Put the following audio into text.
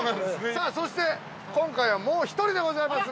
◆さあそして、今回は、もう一人でございます。